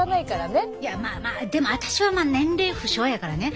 まあまあでも私は年齢不詳やからね。